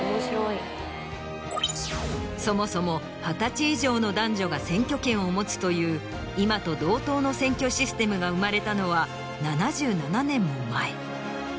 そもそも２０歳以上の男女が選挙権を持つという今と同等の選挙システムが生まれたのは７７年も前。